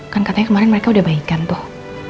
kan katanya kemarin mereka udah baikan tuh